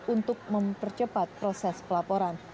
untuk mempercepat proses pelaporan